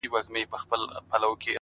• پدرلعنته حادثه ده او څه ستا ياد دی ـ